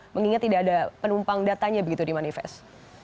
mengingat tidak ada penumpang datanya begitu dimanifest